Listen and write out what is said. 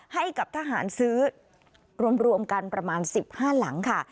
ให้กับทหารซื้อรวมกันประมาณ๑๕หลังค่ะ